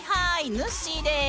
ぬっしーです。